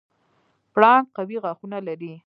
پړانګ قوي غاښونه لري.